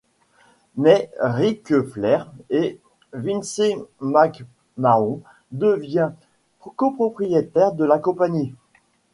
Mais Ric Flair et Vince McMahon devient copropriétaire de la compagnie.